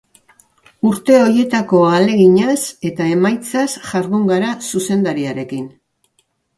Urte horietako ahaleginaz, eta emaitzaz jardun gara zuzendariarekin.